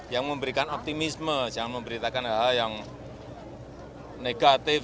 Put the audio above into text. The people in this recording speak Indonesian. yang memberikan optimisme jangan memberitakan hal hal yang negatif